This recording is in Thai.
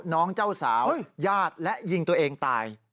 น้องเจ้าสาวญาติและยิงตัวเองตาย